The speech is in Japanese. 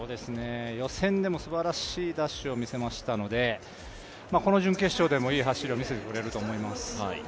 予選でもすばらしいダッシュを見せましたので、この準決勝でも、いい走りを見せてくれると思います。